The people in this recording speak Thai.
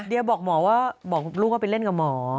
เดี๋ยวบอกหมอว่าบอกลูกว่าไปเล่นกับหมอ